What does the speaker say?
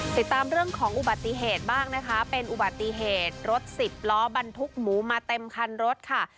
ติดตามเรื่องของอุบัติเหตุบ้างนะคะเป็นอุบัติเหตุรถสิบล้อบรรทุกหมูมาเต็มคันรถค่ะ